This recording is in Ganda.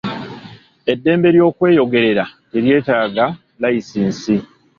Eddembe ly'okweyogerera teryetaaga layisinsi.